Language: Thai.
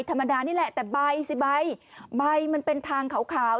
ธรรมดานี่แหละแต่ใบสิใบใบมันเป็นทางขาว